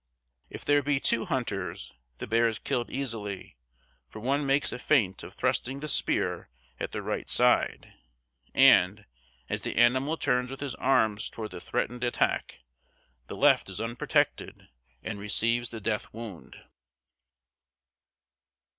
"If there be two hunters, the bear is killed easily; for one makes a feint of thrusting the spear at the right side, and, as the animal turns with his arms toward the threatened attack, the left is unprotected and receives the death wound."